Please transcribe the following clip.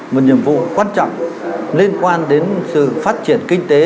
một nhiệm vụ quan trọng liên quan đến sự phát triển kinh tế